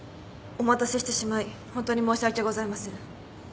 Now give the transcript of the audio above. お待たせしてしまいホントに申し訳ございません。